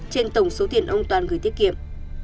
trên tổng số tiền ông toàn gửi tiết kiệm